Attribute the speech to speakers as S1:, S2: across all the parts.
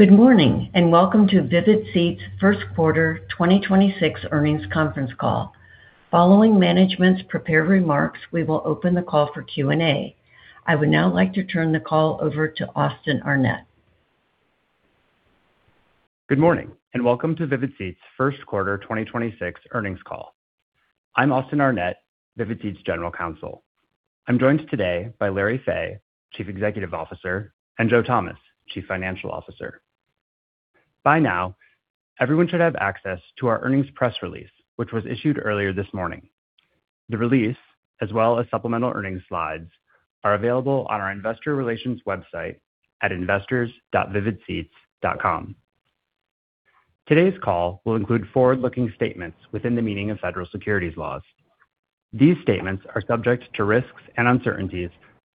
S1: Good morning, welcome to Vivid Seats' first quarter 2026 earnings conference call. Following management's prepared remarks, we will open the call for Q&A. I would now like to turn the call over to Austin Arnett.
S2: Good morning, and welcome to Vivid Seats' first quarter 2026 earnings call. I'm Austin Arnett, Vivid Seats' General Counsel. I'm joined today by Larry Fey, Chief Executive Officer, and Joe Thomas, Chief Financial Officer. By now, everyone should have access to our earnings press release, which was issued earlier this morning. The release, as well as supplemental earnings slides, are available on our investor relations website at investors.vividseats.com. Today's call will include forward-looking statements within the meaning of federal securities laws. These statements are subject to risks and uncertainties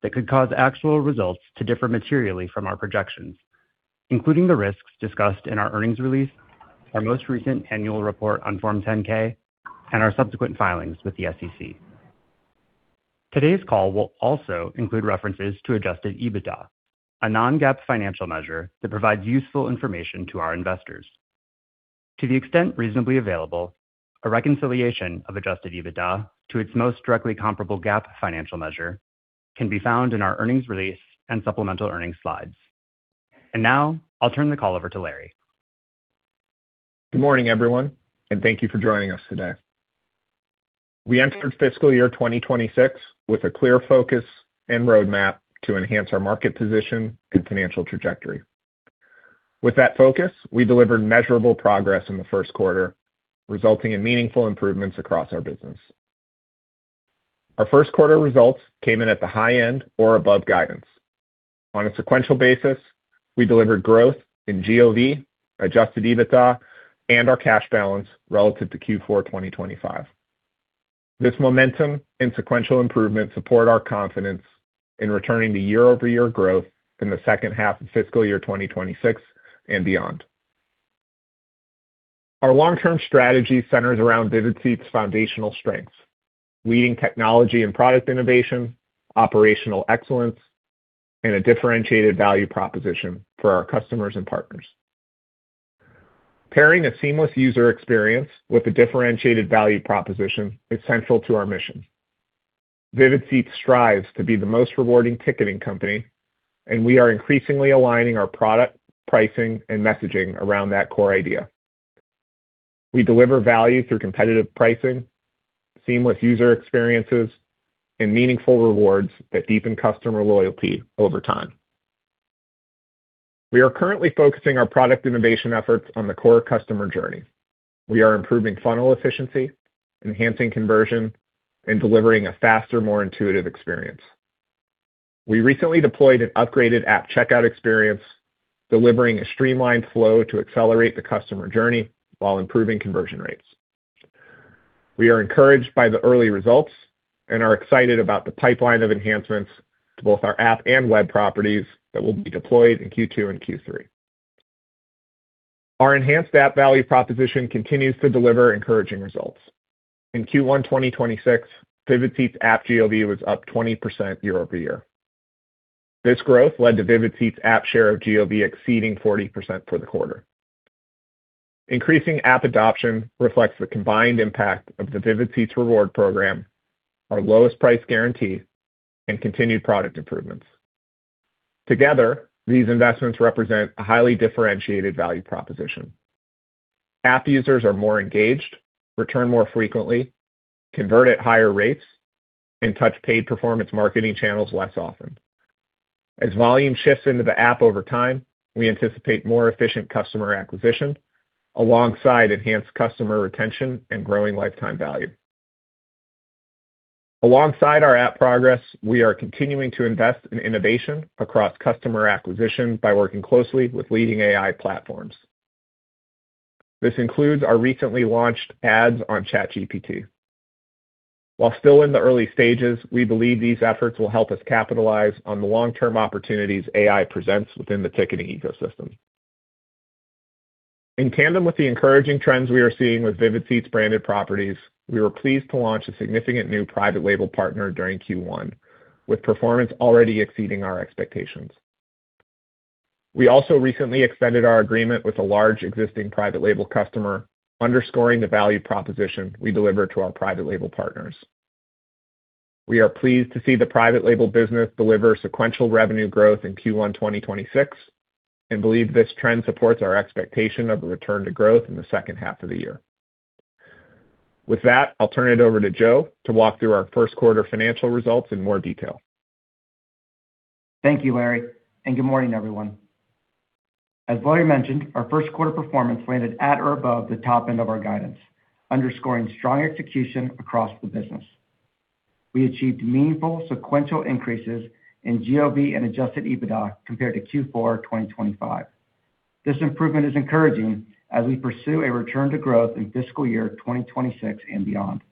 S2: that could cause actual results to differ materially from our projections, including the risks discussed in our earnings release, our most recent annual report on Form 10-K, and our subsequent filings with the SEC. Today's call will also include references to adjusted EBITDA, a non-GAAP financial measure that provides useful information to our investors. To the extent reasonably available, a reconciliation of adjusted EBITDA to its most directly comparable GAAP financial measure can be found in our earnings release and supplemental earnings slides. Now I'll turn the call over to Larry.
S3: Good morning, everyone, and thank you for joining us today. We entered fiscal year 2026 with a clear focus and roadmap to enhance our market position and financial trajectory. With that focus, we delivered measurable progress in the first quarter, resulting in meaningful improvements across our business. Our first quarter results came in at the high end or above guidance. On a sequential basis, we delivered growth in GOV, adjusted EBITDA, and our cash balance relative to Q4 2025. This momentum and sequential improvement support our confidence in returning to year-over-year growth in the second half of fiscal year 2026 and beyond. Our long-term strategy centers around Vivid Seats' foundational strengths, leading technology and product innovation, operational excellence, and a differentiated value proposition for our customers and partners. Pairing a seamless user experience with a differentiated value proposition is central to our mission. Vivid Seats strives to be the most rewarding ticketing company, and we are increasingly aligning our product, pricing, and messaging around that core idea. We deliver value through competitive pricing, seamless user experiences, and meaningful rewards that deepen customer loyalty over time. We are currently focusing our product innovation efforts on the core customer journey. We are improving funnel efficiency, enhancing conversion, and delivering a faster, more intuitive experience. We recently deployed an upgraded app checkout experience, delivering a streamlined flow to accelerate the customer journey while improving conversion rates. We are encouraged by the early results and are excited about the pipeline of enhancements to both our app and web properties that will be deployed in Q2 and Q3. Our enhanced app value proposition continues to deliver encouraging results. In Q1 2026, Vivid Seats' app GOV was up 20% year-over-year. This growth led to Vivid Seats' app share of GOV exceeding 40% for the quarter. Increasing app adoption reflects the combined impact of the Vivid Seats Rewards program, our lowest price guarantee, and continued product improvements. Together, these investments represent a highly differentiated value proposition. App users are more engaged, return more frequently, convert at higher rates, and touch paid performance marketing channels less often. As volume shifts into the app over time, we anticipate more efficient customer acquisition, alongside enhanced customer retention and growing lifetime value. Alongside our app progress, we are continuing to invest in innovation across customer acquisition by working closely with leading AI platforms. This includes our recently launched ads on ChatGPT. While still in the early stages, we believe these efforts will help us capitalize on the long-term opportunities AI presents within the ticketing ecosystem. In tandem with the encouraging trends we are seeing with Vivid Seats branded properties, we were pleased to launch a significant new private label partner during Q1, with performance already exceeding our expectations. We also recently extended our agreement with a large existing private label customer, underscoring the value proposition we deliver to our private label partners. We are pleased to see the private label business deliver sequential revenue growth in Q1 2026 and believe this trend supports our expectation of a return to growth in the second half of the year. With that, I'll turn it over to Joe to walk through our first quarter financial results in more detail.
S4: Thank you, Larry, and good morning, everyone. As Larry mentioned, our first quarter performance landed at or above the top end of our guidance, underscoring strong execution across the business. We achieved meaningful sequential increases in GOV and adjusted EBITDA compared to Q4 2025. This improvement is encouraging as we pursue a return to growth in fiscal year 2026 and beyond.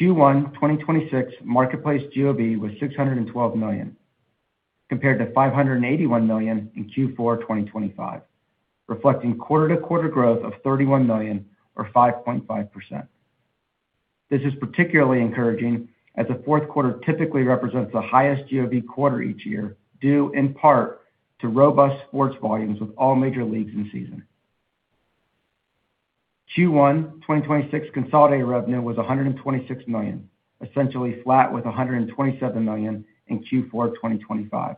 S4: Q1 2026 marketplace GOV was $612 million, compared to $581 million in Q4 2025, reflecting quarter-to-quarter growth of $31 million or 5.5%. This is particularly encouraging as the fourth quarter typically represents the highest GOV quarter each year, due in part to robust sports volumes with all major leagues in season. Q1 2026 consolidated revenue was $126 million, essentially flat with $127 million in Q4 2025.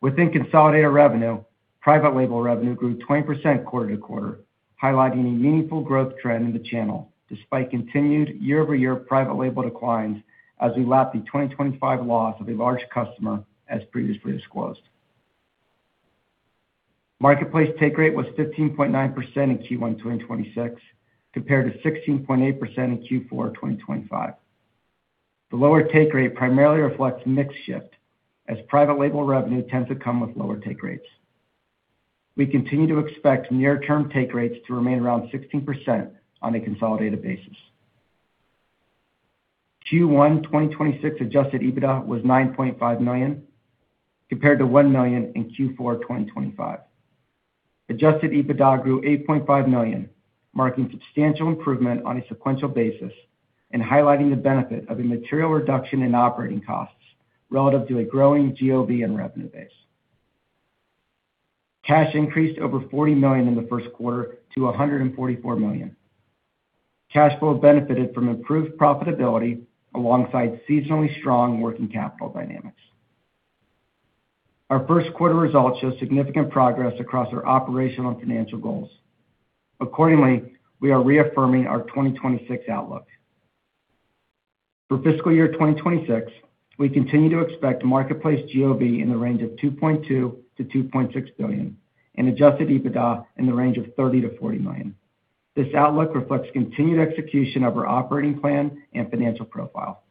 S4: Within consolidated revenue, private label revenue grew 20% quarter-to-quarter, highlighting a meaningful growth trend in the channel despite continued year-over-year private label declines as we lapped the 2025 loss of a large customer, as previously disclosed. Marketplace take rate was 15.9% in Q1 2026, compared to 16.8% in Q4 2025. The lower take rate primarily reflects mix shift as private label revenue tends to come with lower take rates. We continue to expect near term take rates to remain around 16% on a consolidated basis. Q1 2026 adjusted EBITDA was $9.5 million, compared to $1 million in Q4 2025. Adjusted EBITDA grew $8.5 million, marking substantial improvement on a sequential basis and highlighting the benefit of a material reduction in operating costs relative to a growing GOV and revenue base. Cash increased over $40 million in the first quarter to $144 million. Cash flow benefited from improved profitability alongside seasonally strong working capital dynamics. Our first quarter results show significant progress across our operational and financial goals. Accordingly, we are reaffirming our 2026 outlook. For fiscal year 2026, we continue to expect marketplace GOV in the range of $2.2 billion-$2.6 billion and adjusted EBITDA in the range of $30 million-$40 million. This outlook reflects continued execution of our operating plan and financial profile.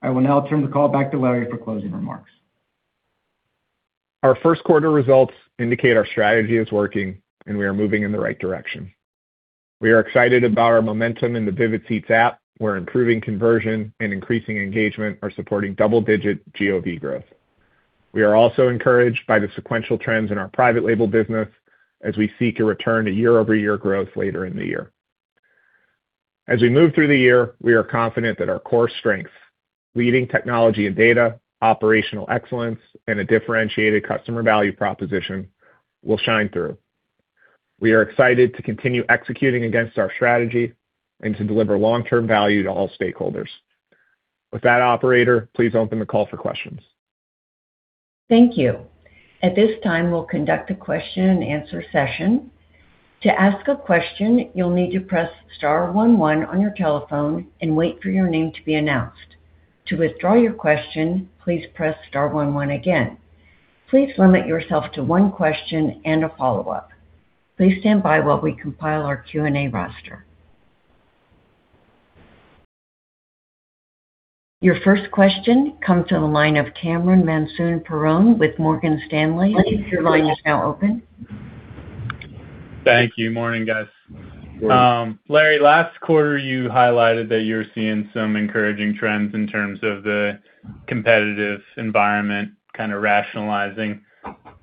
S4: I will now turn the call back to Larry for closing remarks.
S3: Our first quarter results indicate our strategy is working and we are moving in the right direction. We are excited about our momentum in the Vivid Seats app, where improving conversion and increasing engagement are supporting double-digit GOV growth. We are also encouraged by the sequential trends in our private label business as we seek a return to year-over-year growth later in the year. As we move through the year, we are confident that our core strengths, leading technology and data, operational excellence, and a differentiated customer value proposition will shine through. We are excited to continue executing against our strategy and to deliver long-term value to all stakeholders. With that, operator, please open the call for questions.
S1: Thank you. At this time, we'll conduct a question and answer session. To ask a question, you'll need to press star one one on your telephone and wait for your name to be announced. To withdraw your question, please press star one one again. Please limit yourself to one question and a follow-up. Please stand by while we compile our Q&A roster. Your first question comes from the line of Cameron Mansson-Perrone with Morgan Stanley. Your line is now open.
S5: Thank you. Morning, guys.
S3: Morning.
S5: Larry, last quarter you highlighted that you're seeing some encouraging trends in terms of the competitive environment kind of rationalizing.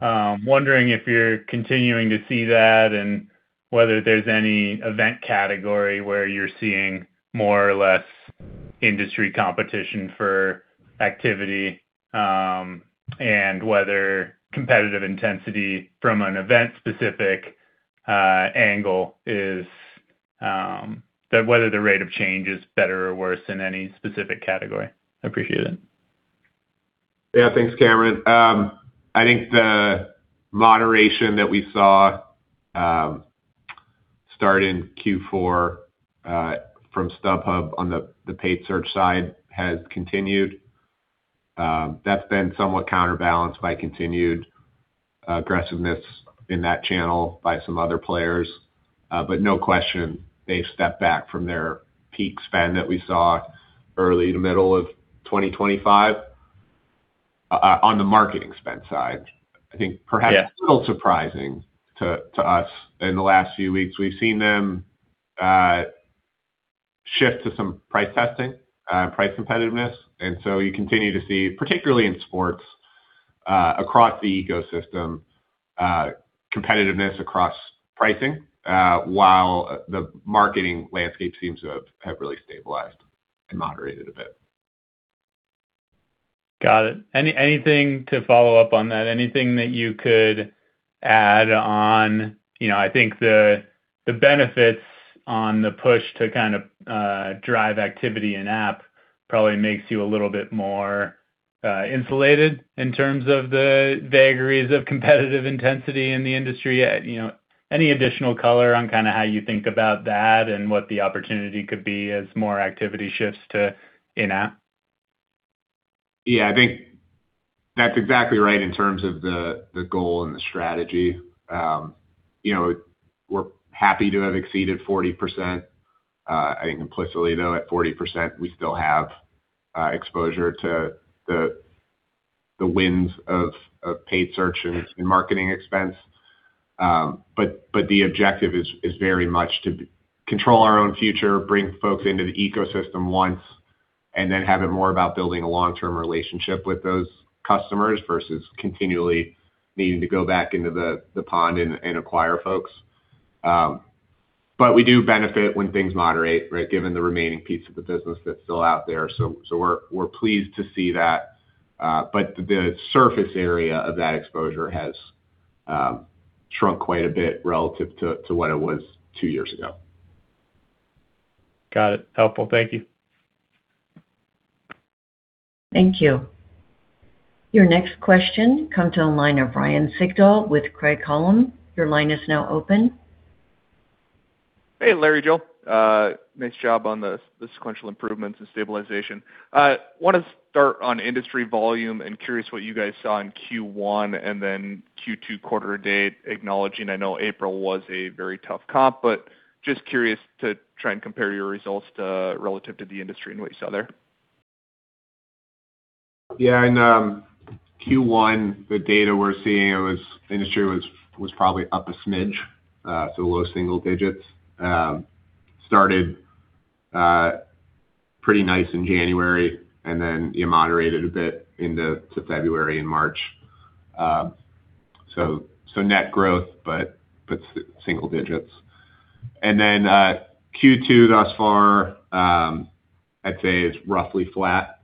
S5: Wondering if you're continuing to see that and whether there's any event category where you're seeing more or less industry competition for activity, and whether competitive intensity from an event-specific angle is that whether the rate of change is better or worse in any specific category? I appreciate it.
S3: Thanks, Cameron. I think the moderation that we saw start in Q4 from StubHub on the paid search side has continued. That's been somewhat counterbalanced by continued aggressiveness in that channel by some other players. No question they've stepped back from their peak spend that we saw early to middle of 2025 on the marketing spend side.
S5: Yeah.
S3: I think perhaps still surprising to us. In the last few weeks, we've seen them shift to some price testing, price competitiveness. You continue to see, particularly in sports, across the ecosystem, competitiveness across pricing, while the marketing landscape seems to have really stabilized and moderated a bit.
S5: Got it. Anything to follow up on that? Anything that you could add on, you know, I think the benefits on the push to kind of drive activity in-app probably makes you a little bit more insulated in terms of the vagaries of competitive intensity in the industry. You know, any additional color on kind of how you think about that and what the opportunity could be as more activity shifts to in-app?
S3: Yeah. I think that's exactly right in terms of the goal and the strategy. You know, we're happy to have exceeded 40%. I think implicitly though at 40%, we still have exposure to the winds of paid search and marketing expense. The objective is very much to control our own future, bring folks into the ecosystem once and then have it more about building a long-term relationship with those customers versus continually needing to go back into the pond and acquire folks. We do benefit when things moderate, right? Given the remaining piece of the business that's still out there. We're pleased to see that, the surface area of that exposure has shrunk quite a bit relative to what it was two years ago.
S5: Got it. Helpful. Thank you.
S1: Thank you. Your next question comes to the line of Ryan Sigdahl with Craig-Hallum. Your line is now open.
S6: Hey, Larry, Joe. Nice job on the sequential improvements and stabilization. I want to start on industry volume. I'm curious what you guys saw in Q1 and then Q2 quarter to date, acknowledging I know April was a very tough comp, but just curious to try and compare your results to relative to the industry and what you saw there.
S3: Yeah. In Q1, the data we're seeing, it was industry was probably up a smidge, low single digits. Started pretty nice in January and then, yeah, moderated a bit into February and March. Net growth but single digits. Q2 thus far, I'd say is roughly flat.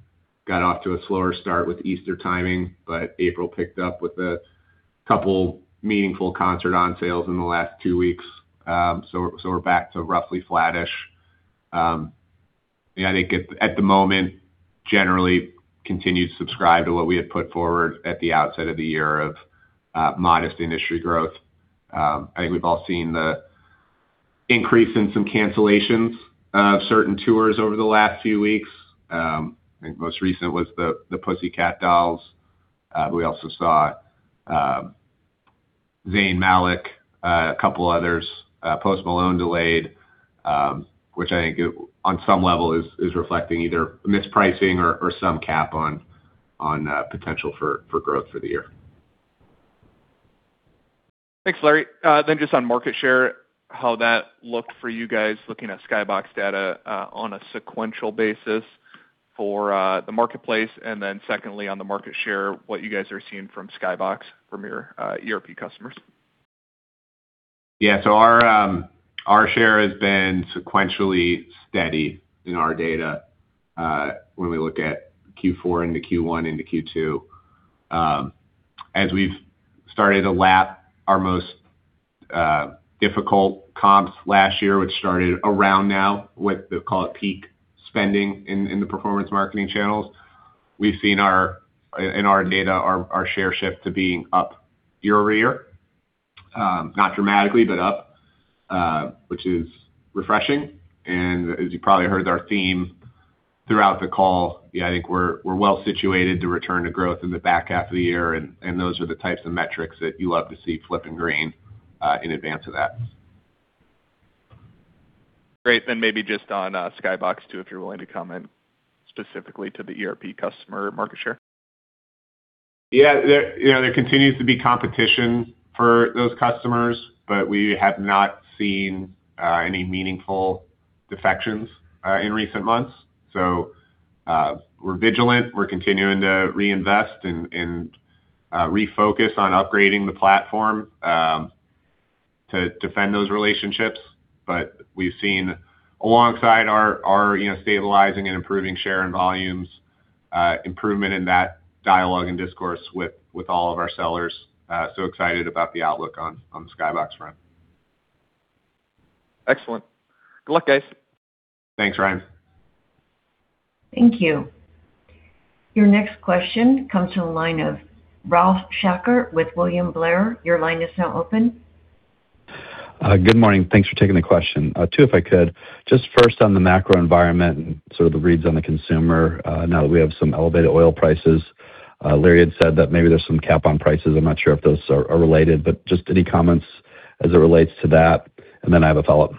S3: Got off to a slower start with Easter timing, April picked up with a couple meaningful concert on sales in the last two weeks. We're back to roughly flattish. Yeah, I think at the moment, generally continue to subscribe to what we had put forward at the outset of the year of modest industry growth. I think we've all seen the increase in some cancellations of certain tours over the last few weeks. I think most recent was The Pussycat Dolls. We also saw Zayn Malik, a couple others, Post Malone delayed, which I think on some level is reflecting either mispricing or some cap on potential for growth for the year.
S6: Thanks, Larry. Just on market share, how that looked for you guys looking at Skybox data, on a sequential basis for the marketplace. Secondly, on the market share, what you guys are seeing from Skybox from your ERP customers.
S3: Yeah. Our share has been sequentially steady in our data, when we look at Q4 into Q1 into Q2. As we've started to lap our most difficult comps last year, which started around now with the, call it, peak spending in the performance marketing channels, we've seen in our data, our share shift to being up year-over-year. Not dramatically, but up, which is refreshing. As you probably heard our theme throughout the call, yeah, I think we're well situated to return to growth in the back half of the year, and those are the types of metrics that you love to see flipping green in advance of that.
S6: Great. Maybe just on Skybox too, if you're willing to comment specifically to the ERP customer market share.
S3: There continues to be competition for those customers, but we have not seen any meaningful defections in recent months. We're vigilant. We're continuing to reinvest and refocus on upgrading the platform to defend those relationships. We've seen alongside our, you know, stabilizing and improving share and volumes, improvement in that dialogue and discourse with all of our sellers. Excited about the outlook on the Skybox front.
S6: Excellent. Good luck, guys.
S3: Thanks, Ryan.
S1: Thank you. Your next question comes from the line of Ralph Schackart with William Blair. Your line is now open.
S7: Good morning. Thanks for taking the question. Two, if I could. Just first on the macro environment and sort of the reads on the consumer, now that we have some elevated oil prices. Larry had said that maybe there's some cap on prices. I'm not sure if those are related, but just any comments as it relates to that, and then I have a follow-up.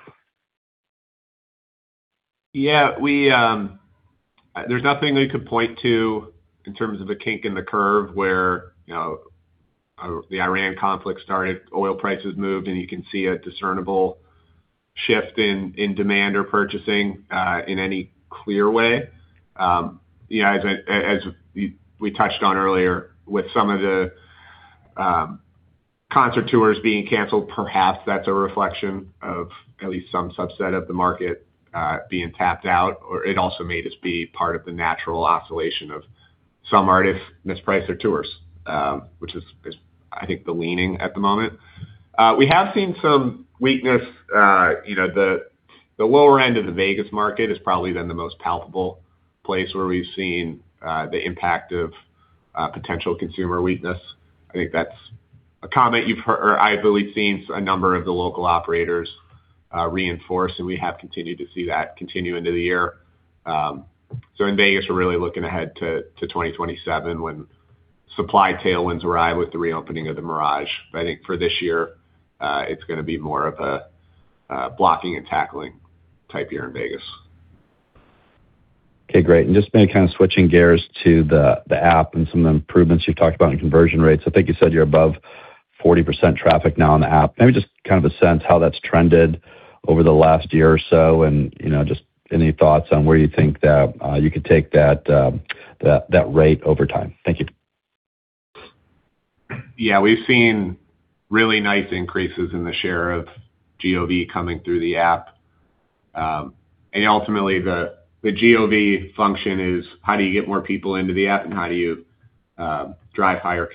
S3: There's nothing we could point to in terms of the kink in the curve where, you know, the Iran conflict started, oil prices moved, and you can see a discernible shift in demand or purchasing in any clear way. You know, as we touched on earlier with some of the concert tours being canceled, perhaps that's a reflection of at least some subset of the market being tapped out, or it also may just be part of the natural oscillation of some artists mispriced their tours, which is, I think the leaning at the moment. We have seen some weakness, you know, the lower end of the Vegas market has probably been the most palpable place where we've seen the impact of potential consumer weakness. I think that's a comment you've heard or I believe seen a number of the local operators, reinforce, and we have continued to see that continue into the year. In Vegas, we're really looking ahead to 2027 when supply tailwinds arrive with the reopening of the Mirage. I think for this year, it's gonna be more of a blocking and tackling type year in Vegas.
S7: Okay, great. Just maybe kind of switching gears to the app and some of the improvements you've talked about in conversion rates. I think you said you're above 40% traffic now on the app. Maybe just kind of a sense how that's trended over the last year or so, you know, just any thoughts on where you think that you could take that rate over time. Thank you.
S3: We've seen really nice increases in the share of GOV coming through the app. Ultimately the GOV function is how do you get more people into the app and how do you drive higher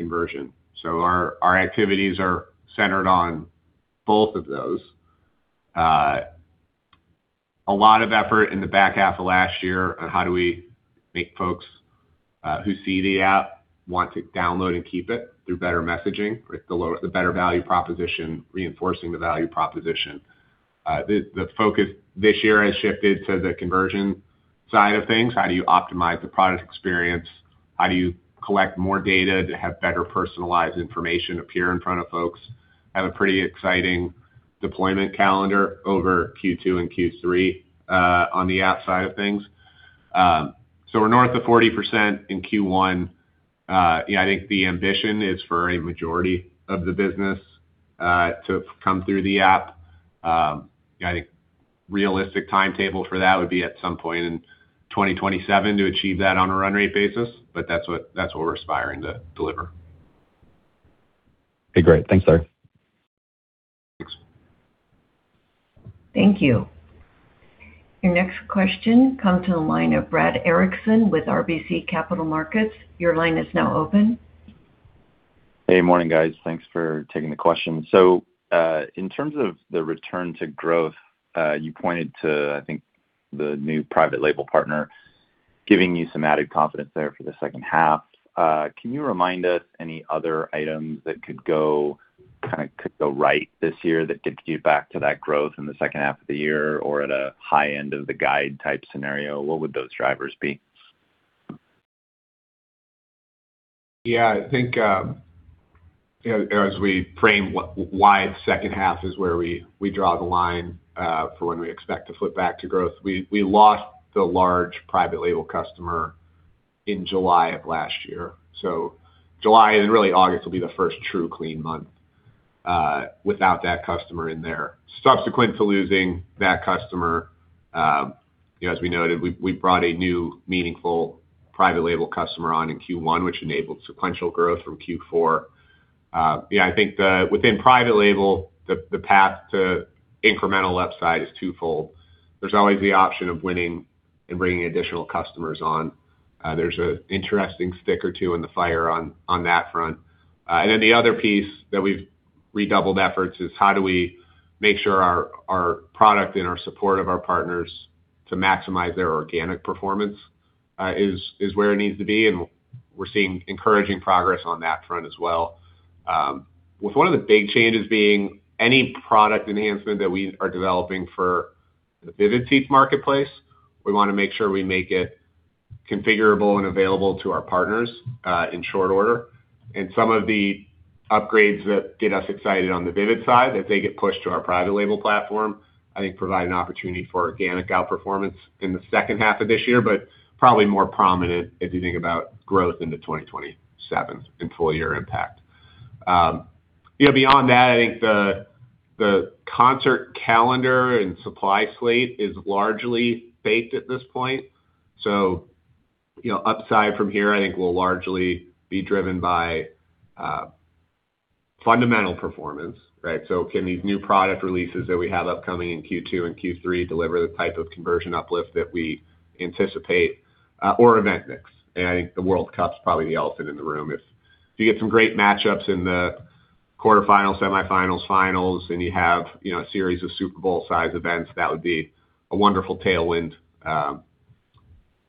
S3: conversion? Our activities are centered on both of those. A lot of effort in the back half of last year on how do we make folks who see the app want to download and keep it through better messaging with the better value proposition, reinforcing the value proposition. The focus this year has shifted to the conversion side of things. How do you optimize the product experience? How do you collect more data to have better personalized information appear in front of folks? Have a pretty exciting deployment calendar over Q2 and Q3 on the app side of things. We're north of 40% in Q1. I think the ambition is for a majority of the business to come through the app. I think realistic timetable for that would be at some point in 2027 to achieve that on a run rate basis, that's what we're aspiring to deliver.
S7: Okay, great. Thanks, Larry.
S3: Thanks.
S1: Thank you. Your next question comes to the line of Brad Erickson with RBC Capital Markets. Your line is now open.
S8: Hey, morning, guys. Thanks for taking the question. In terms of the return to growth, you pointed to, I think, the new private label partner giving you some added confidence there for the second half. Can you remind us any other items that could go, kinda could go right this year that gets you back to that growth in the second half of the year or at a high end of the guide type scenario? What would those drivers be?
S3: Yeah, I think, you know, as we frame why second half is where we draw the line for when we expect to flip back to growth. We lost the large private label customer in July of last year. July and really August will be the first true clean month without that customer in there. Subsequent to losing that customer, you know, as we noted, we brought a new meaningful private label customer on in Q1, which enabled sequential growth from Q4. Yeah, I think within private label, the path to incremental upside is twofold. There's always the option of winning and bringing additional customers on. There's an interesting stick or two in the fire on that front. The other piece that we've redoubled efforts is how do we make sure our product and our support of our partners to maximize their organic performance is where it needs to be. We're seeing encouraging progress on that front as well. With one of the big changes being any product enhancement that we are developing for the Vivid Seats marketplace, we wanna make sure we make it configurable and available to our partners in short order. Some of the upgrades that get us excited on the Vivid side, as they get pushed to our private label platform, I think provide an opportunity for organic outperformance in the second half of this year, but probably more prominent if you think about growth into 2027 and full year impact. You know, beyond that, I think the concert calendar and supply slate is largely baked at this point. you know, upside from here I think will largely be driven by fundamental performance, right? Can these new product releases that we have upcoming in Q2 and Q3 deliver the type of conversion uplift that we anticipate, or event mix? I think the World Cup is probably the elephant in the room. If you get some great matchups in the quarterfinals, semifinals, finals, and you have, you know, a series of Super Bowl size events, that would be a wonderful tailwind.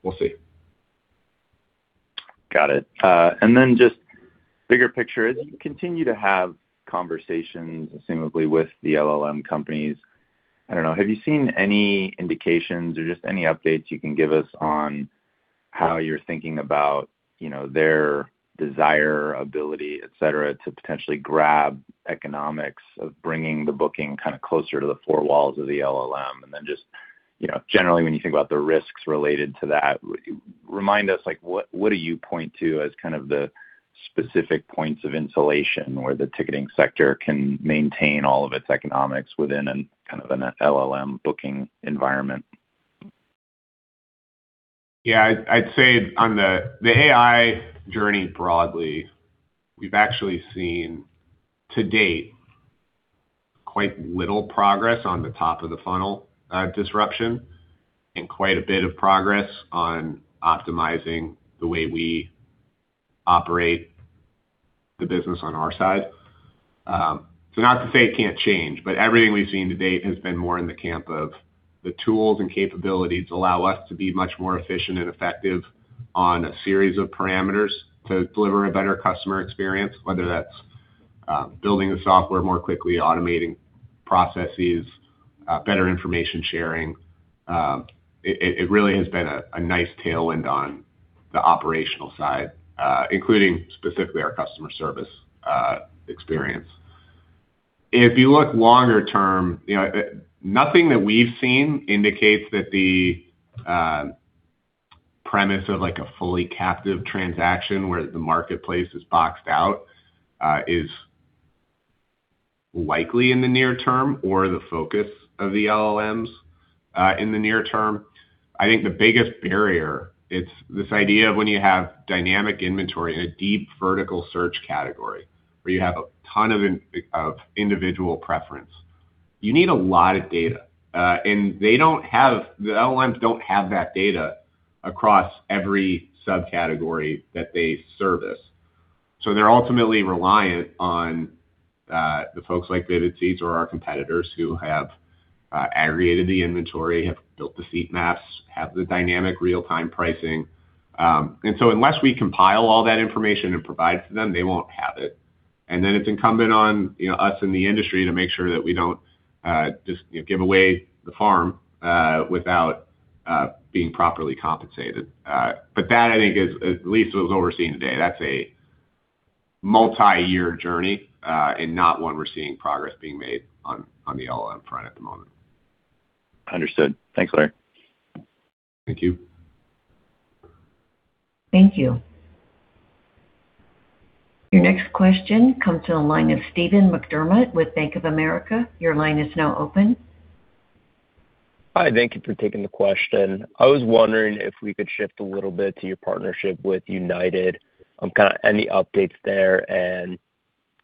S3: We'll see.
S8: Got it. And then just bigger picture, as you continue to have conversations, assumably with the LLM companies, I don't know, have you seen any indications or just any updates you can give us on how you're thinking about, you know, their desire, ability, et cetera, to potentially grab economics of bringing the booking kind of closer to the four walls of the LLM? And then just, you know, generally, when you think about the risks related to that, remind us, like what do you point to as kind of the specific points of insulation where the ticketing sector can maintain all of its economics within an kind of an LLM booking environment?
S3: Yeah. I'd say on the AI journey broadly, we've actually seen to date quite little progress on the top of the funnel disruption and quite a bit of progress on optimizing the way we operate the business on our side. Not to say it can't change, but everything we've seen to date has been more in the camp of the tools and capabilities allow us to be much more efficient and effective on a series of parameters to deliver a better customer experience, whether that's building the software more quickly, automating processes, better information sharing. It really has been a nice tailwind on the operational side, including specifically our customer service experience. If you look longer term, you know, nothing that we've seen indicates that the premise of like a fully captive transaction where the marketplace is boxed out, is likely in the near term or the focus of the LLMs in the near term. I think the biggest barrier, it's this idea of when you have dynamic inventory in a deep vertical search category where you have a ton of individual preference. You need a lot of data. The LLMs don't have that data across every subcategory that they service. They're ultimately reliant on the folks like Vivid Seats or our competitors who have aggregated the inventory, have built the seat maps, have the dynamic real-time pricing. Unless we compile all that information and provide to them, they won't have it. It's incumbent on, you know, us in the industry to make sure that we don't, just, you know, give away the farm, without being properly compensated. That, I think, is at least what we're seeing today. That's a multi-year journey, and not one we're seeing progress being made on the LLM front at the moment.
S8: Understood. Thanks, Larry.
S3: Thank you.
S1: Thank you. Your next question comes to the line of Steven McDermott with Bank of America. Your line is now open.
S9: Hi, thank you for taking the question. I was wondering if we could shift a little bit to your partnership with United. Kinda any updates there, and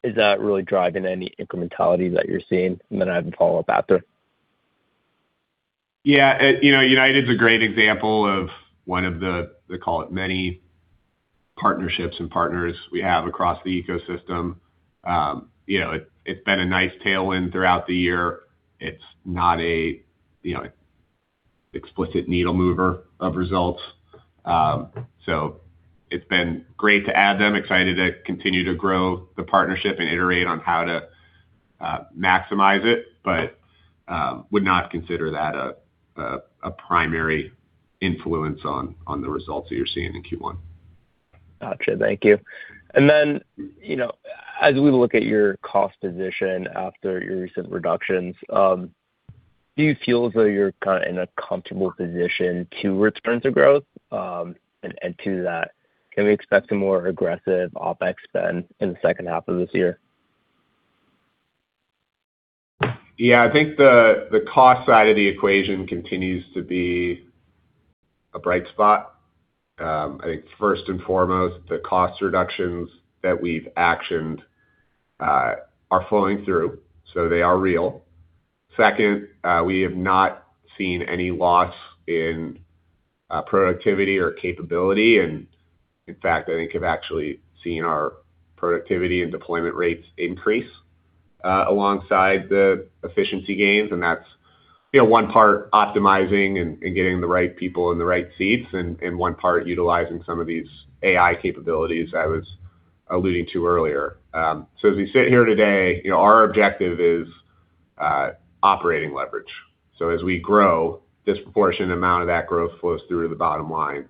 S9: is that really driving any incrementality that you're seeing? I have a follow-up after.
S3: Yeah. You know, United's a great example of one of the, they call it many partnerships and partners we have across the ecosystem. You know, it's been a nice tailwind throughout the year. It's not a, you know, explicit needle mover of results. It's been great to add them. Excited to continue to grow the partnership and iterate on how to maximize it. Would not consider that a primary influence on the results that you're seeing in Q1.
S9: Gotcha. Thank you. you know, as we look at your cost position after your recent reductions, do you feel as though you're kinda in a comfortable position to return to growth? To that, can we expect a more aggressive OpEx spend in the second half of this year?
S3: Yeah. I think the cost side of the equation continues to be a bright spot. I think first and foremost, the cost reductions that we've actioned are flowing through, so they are real. Second, we have not seen any loss in productivity or capability. In fact, I think I've actually seen our productivity and deployment rates increase alongside the efficiency gains. That's, you know, one part optimizing and getting the right people in the right seats and one part utilizing some of these AI capabilities I was alluding to earlier. As we sit here today, you know, our objective is operating leverage. As we grow, disproportionate amount of that growth flows through to the bottom line.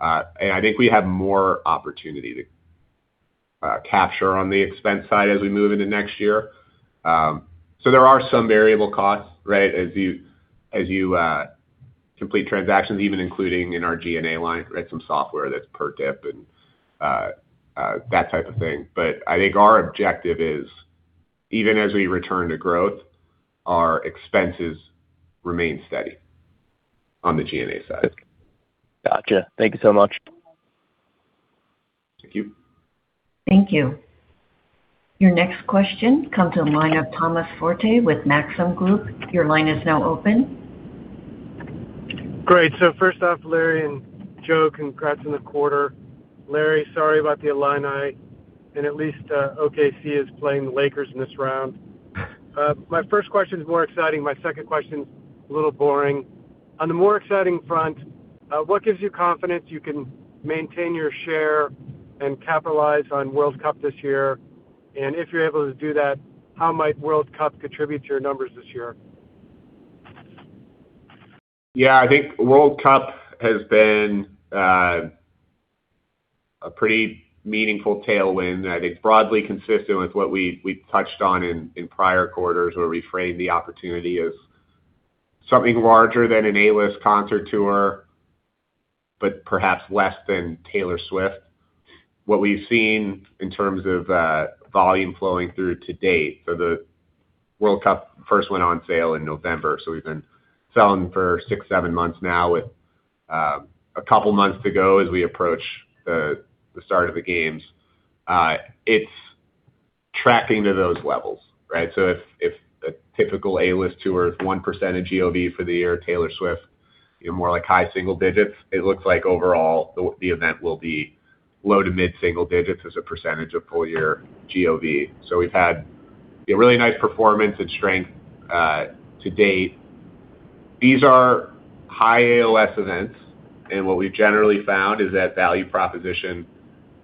S3: I think we have more opportunity to capture on the expense side as we move into next year. There are some variable costs, right? As you, as you complete transactions, even including in our G&A line, right, some software that's per dip and that type of thing. I think our objective is, even as we return to growth, our expenses remain steady on the G&A side.
S9: Gotcha. Thank you so much.
S3: Thank you.
S1: Thank you. Your next question comes to the line of Thomas Forte with Maxim Group.
S10: Great. First off, Larry and Joe, congrats on the quarter. Larry, sorry about the Illini, and at least, OKC is playing the Lakers in this round. My first question's more exciting, my second question's a little boring. On the more exciting front, what gives you confidence you can maintain your share and capitalize on World Cup this year? If you're able to do that, how might World Cup contribute to your numbers this year?
S3: I think World Cup has been a pretty meaningful tailwind. I think broadly consistent with what we've touched on in prior quarters, where we framed the opportunity as something larger than an A-list concert tour, but perhaps less than Taylor Swift. What we've seen in terms of volume flowing through to date, so the World Cup first went on sale in November, so we've been selling for six, seven months now. With a couple months to go as we approach the start of the games, it's tracking to those levels, right? If a typical A-list tour is 1% of GOV for the year, Taylor Swift, you know, more like high single digits. It looks like overall the event will be low to mid single digits as a percentage of full year GOV. We've had, you know, really nice performance and strength to-date. These are high AOS events, and what we've generally found is that value proposition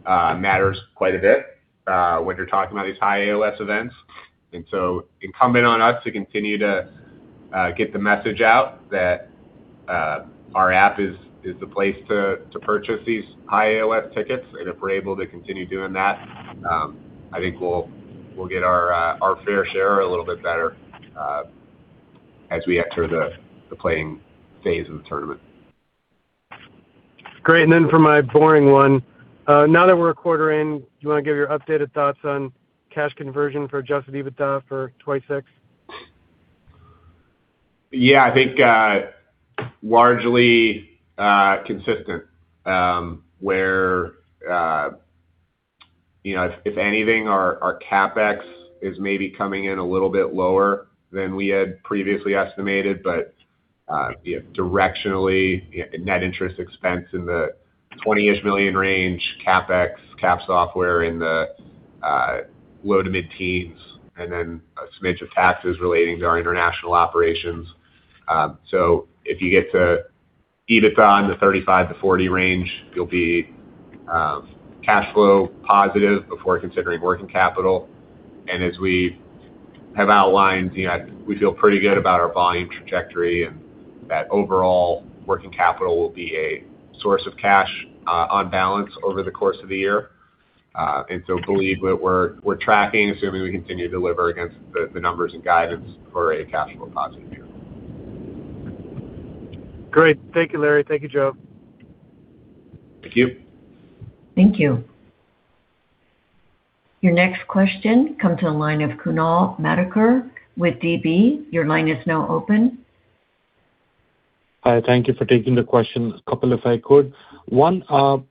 S3: matters quite a bit when you're talking about these high AOS events. Incumbent on us to continue to get the message out that our app is the place to purchase these high AOS tickets. If we're able to continue doing that, I think we'll get our fair share a little bit better as we enter the playing phase of the tournament.
S10: Great. For my boring one, now that we're a quarter in, do you wanna give your updated thoughts on cash conversion for adjusted EBITDA for 2026?
S4: I think largely consistent where if anything, our CapEx is maybe coming in a little bit lower than we had previously estimated. Directionally, net interest expense in the $20 million range, CapEx software in the low to mid-teens, and then a smidge of taxes relating to our international operations. If you get to EBITDA in the $35 million-$40 million range, you'll be cash flow positive before considering working capital. As we have outlined, we feel pretty good about our volume trajectory and that overall working capital will be a source of cash on balance over the course of the year. Believe what we're tracking, assuming we continue to deliver against the numbers and guidance for a cash flow positive year.
S10: Great. Thank you, Larry. Thank you, Joe.
S3: Thank you.
S1: Thank you. Your next question comes to the line of Kunal Madhukar with DB. Your line is now open.
S11: Hi, thank you for taking the question. A couple if I could. One, on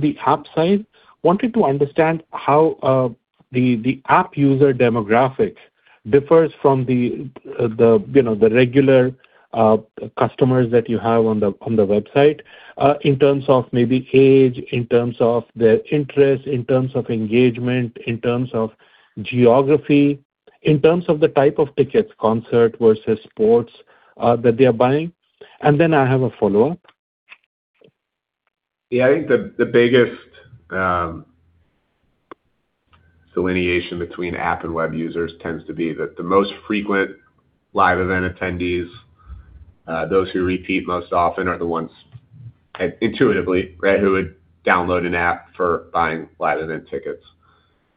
S11: the app side, wanted to understand how the app user demographic differs from the, you know, the regular customers that you have on the website, in terms of maybe age, in terms of their interest, in terms of engagement, in terms of geography, in terms of the type of tickets, concert versus sports, that they are buying. Then I have a follow-up.
S3: Yeah. I think the biggest delineation between app and web users tends to be that the most frequent live event attendees, those who repeat most often are the ones intuitively, right, who would download an app for buying live event tickets.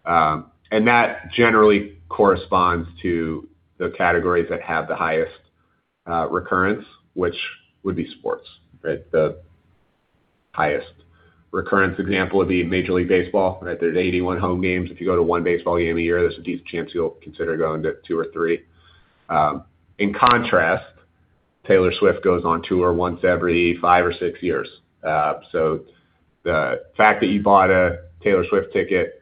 S3: That generally corresponds to the categories that have the highest recurrence, which would be sports, right? The highest recurrence example would be Major League Baseball, right? There's 81 home games. If you go to one baseball game a year, there's a decent chance you'll consider going to two or three. In contrast, Taylor Swift goes on tour once every five or six years. The fact that you bought a Taylor Swift ticket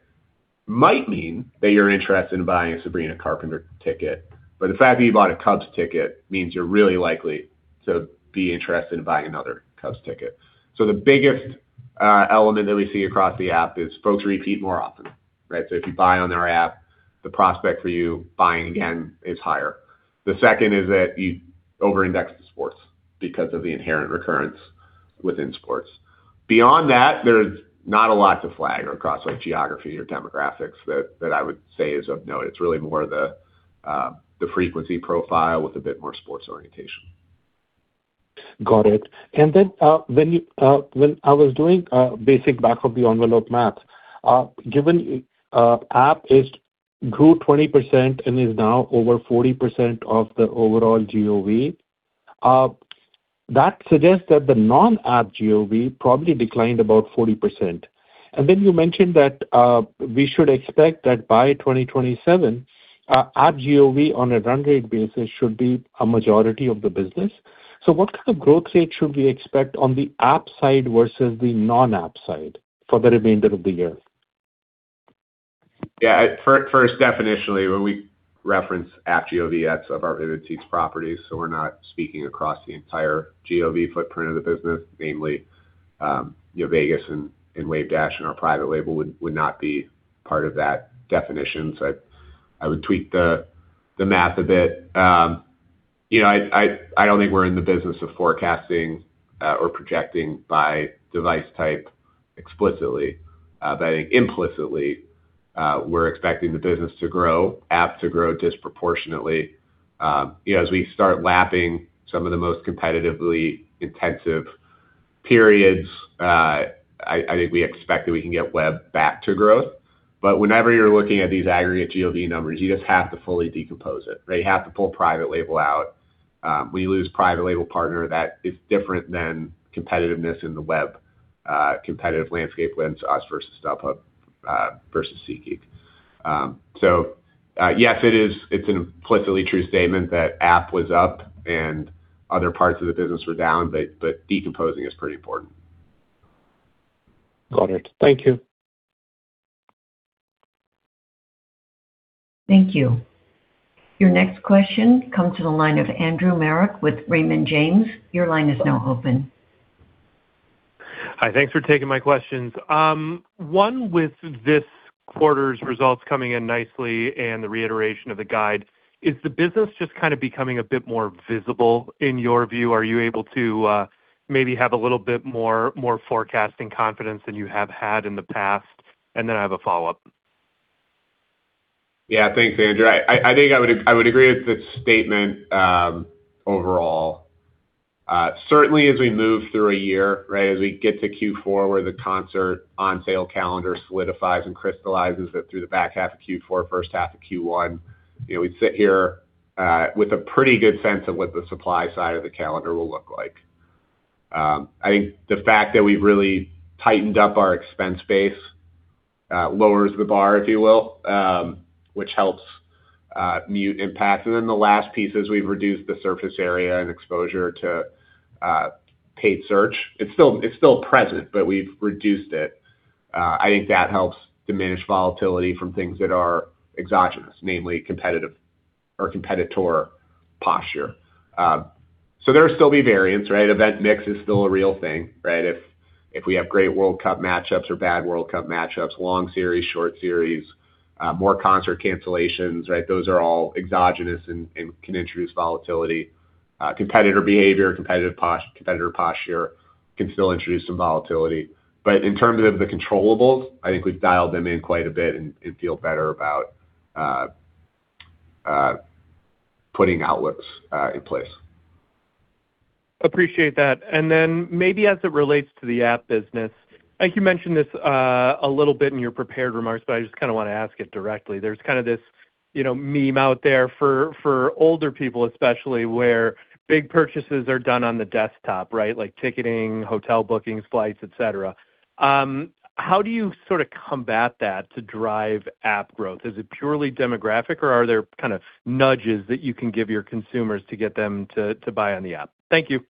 S3: might mean that you're interested in buying a Sabrina Carpenter ticket. The fact that you bought a Cubs ticket means you're really likely to be interested in buying another Cubs ticket. The biggest element that we see across the app is folks repeat more often, right? If you buy on our app, the prospect for you buying again is higher. The second is that you over-index the sports because of the inherent recurrence within sports. Beyond that, there's not a lot to flag across like geography or demographics that I would say is of note. It's really more the frequency profile with a bit more sports orientation.
S11: Got it. Then, when I was doing basic back of the envelope math, given app GOV grew 20% and is now over 40% of the overall GOV, that suggests that the non-app GOV probably declined about 40%. Then you mentioned that we should expect that by 2027, app GOV on a run rate basis should be a majority of the business. What kind of growth rate should we expect on the app side versus the non-app side for the remainder of the year?
S3: First, first definitionally, when we reference app GOV, that's of our Vivid Seats properties, so we're not speaking across the entire GOV footprint of the business, namely, you know, Vegas and Wavedash and our private label would not be part of that definition. I would tweak the math a bit. You know, I don't think we're in the business of forecasting or projecting by device type explicitly. I think implicitly, we're expecting the business to grow, app to grow disproportionately. You know, as we start lapping some of the most competitively intensive periods, I think we expect that we can get web back to growth. Whenever you're looking at these aggregate GOV numbers, you just have to fully decompose it, right? You have to pull private label out. We lose private label partner that is different than competitiveness in the web, competitive landscape lens, us versus StubHub, versus SeatGeek. Yes, it is, it's an implicitly true statement that app was up and other parts of the business were down, but decomposing is pretty important.
S11: Got it. Thank you.
S1: Thank you. Your next question comes to the line of Andrew Marok with Raymond James. Your line is now open.
S12: Hi. Thanks for taking my questions. One, with this quarter's results coming in nicely and the reiteration of the guide, is the business just kind of becoming a bit more visible in your view? Are you able to maybe have a little bit more forecasting confidence than you have had in the past? Then I have a follow-up.
S3: Yeah. Thanks, Andrew. I think I would agree with the statement overall. Certainly as we move through a year, right? As we get to Q4, where the concert on-sale calendar solidifies and crystallizes that through the back half of Q4, first half of Q1, we sit here with a pretty good sense of what the supply side of the calendar will look like. I think the fact that we've really tightened up our expense base lowers the bar, if you will, which helps mute impact. Then the last piece is we've reduced the surface area and exposure to paid search. It's still present, but we've reduced it. I think that helps diminish volatility from things that are exogenous, namely competitive or competitor posture. There will still be variance, right? Event mix is still a real thing, right? If we have great World Cup matchups or bad World Cup matchups, long series, short series, more concert cancellations, right? Those are all exogenous and can introduce volatility. Competitor behavior, competitor posture can still introduce some volatility. In terms of the controllables, I think we've dialed them in quite a bit and feel better about putting outlooks in place.
S12: Appreciate that. Then maybe as it relates to the app business, I think you mentioned this, a little bit in your prepared remarks, but I just kinda wanna ask it directly. There's kind of this, you know, meme out there for older people, especially, where big purchases are done on the desktop, right? Like ticketing, hotel bookings, flights, et cetera. How do you sorta combat that to drive app growth? Is it purely demographic, or are there kind of nudges that you can give your consumers to get them to buy on the app? Thank you.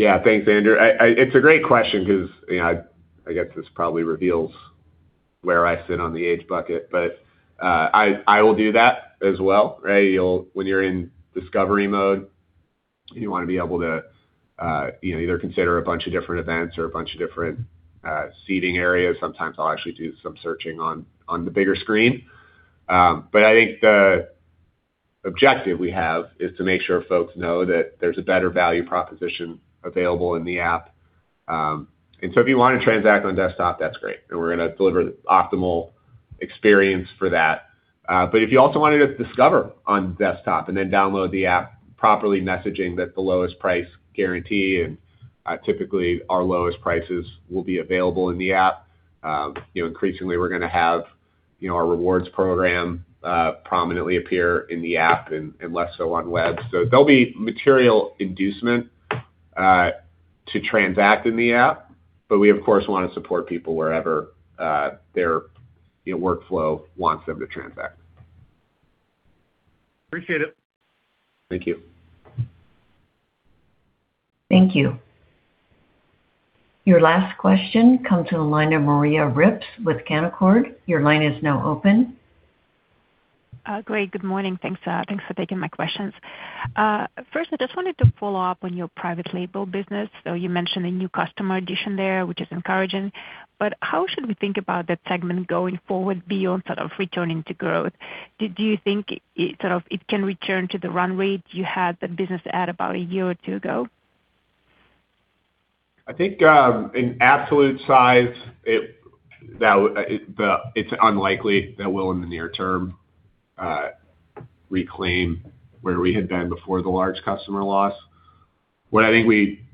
S3: Yeah. Thanks, Andrew. It's a great question because, you know, I guess this probably reveals where I sit on the age bucket, but I will do that as well, right? When you're in discovery mode, you wanna be able to, you know, either consider a bunch of different events or a bunch of different seating areas. Sometimes I'll actually do some searching on the bigger screen. But I think the objective we have is to make sure folks know that there's a better value proposition available in the app. If you wanna transact on desktop, that's great, and we're gonna deliver the optimal experience for that. If you also wanted to discover on desktop and then download the app, properly messaging that the lowest price guarantee and typically our lowest prices will be available in the app. You know, increasingly, we're gonna have, you know, our rewards program prominently appear in the app and less so on web. There'll be material inducement to transact in the app, but we of course wanna support people wherever their you know workflow wants them to transact.
S12: Appreciate it.
S3: Thank you.
S1: Thank you. Your last question comes from the line of Maria Ripps with Canaccord. Your line is now open.
S13: Great. Good morning. Thanks for taking my questions. First, I just wanted to follow up on your private label business. You mentioned a new customer addition there, which is encouraging. How should we think about that segment going forward beyond sort of returning to growth? Do you think it can return to the run rate you had the business at about a year or two ago?
S3: I think in absolute size, it's unlikely that we'll, in the near term, reclaim where we had been before the large customer loss. What I think we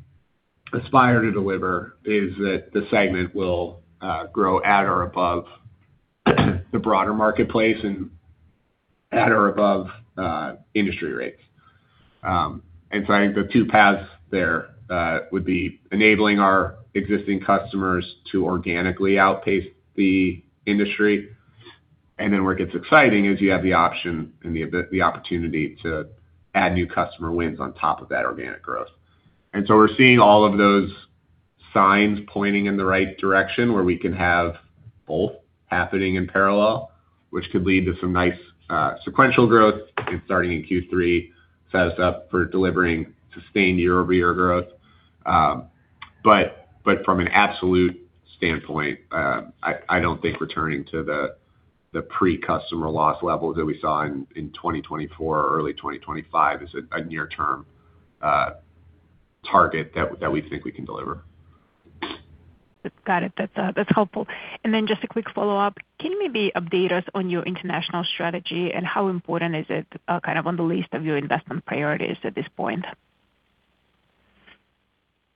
S3: aspire to deliver is that the segment will grow at or above the broader marketplace and at or above industry rates. I think the two paths there would be enabling our existing customers to organically outpace the industry. Where it gets exciting is you have the option and the opportunity to add new customer wins on top of that organic growth. We're seeing all of those signs pointing in the right direction, where we can have both happening in parallel, which could lead to some nice sequential growth, and starting in Q3 set us up for delivering sustained year-over-year growth. From an absolute standpoint, I don't think returning to the pre-customer loss levels that we saw in 2024 or early 2025 is a near-term target that we think we can deliver.
S13: Got it. That's helpful. Just a quick follow-up. Can you maybe update us on your international strategy and how important is it, kind of on the list of your investment priorities at this point?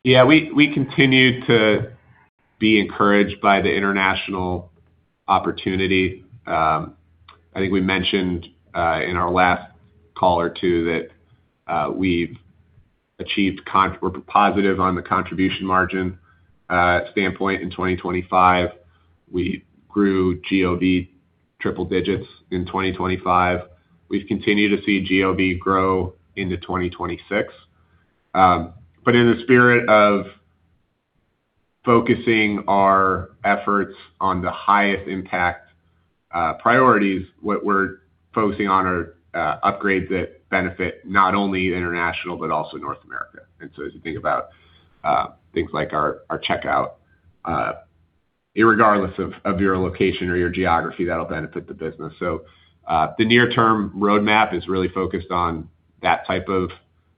S3: Yeah, we continue to be encouraged by the international opportunity. I think we mentioned in our last call or two that we're positive on the contribution margin standpoint in 2025. We grew GOV triple digits in 2025. We've continued to see GOV grow into 2026. In the spirit of focusing our efforts on the highest impact priorities, what we're focusing on are upgrades that benefit not only international but also North America. As you think about things like our checkout, regardless of your location or your geography, that'll benefit the business. The near-term roadmap is really focused on that type of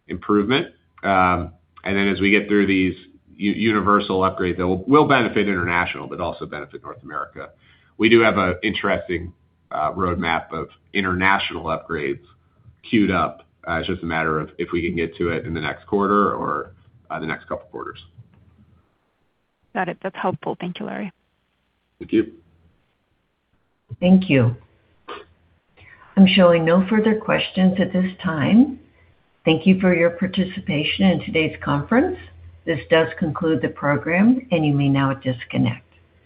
S3: improvement. As we get through these universal upgrades, they will benefit international but also benefit North America. We do have an interesting roadmap of international upgrades queued up. It's just a matter of if we can get to it in the next quarter or the next couple quarters.
S13: Got it. That's helpful. Thank you, Larry.
S3: Thank you.
S1: Thank you. I'm showing no further questions at this time. Thank you for your participation in today's conference. This does conclude the program, and you may now disconnect.